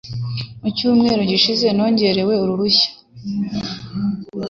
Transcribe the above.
Icyumweru gishize nongerewe uruhushya.